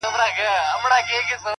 • پاچاهان لویه گوله غواړي خپل ځان ته,